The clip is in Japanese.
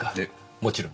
もちろん。